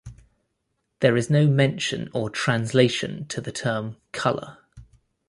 There is no mention or translation to the term "color".